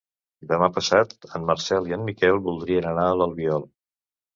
Demà passat en Marcel i en Miquel voldrien anar a l'Albiol.